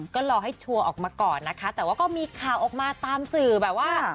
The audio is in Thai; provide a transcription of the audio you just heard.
ก็รอให้ชัวร์ออกมาก่อนนะคะแต่ว่าก็มีข่าวออกมาตามสื่อแบบว่า